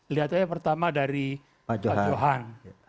lihat aja pertama dari pak johan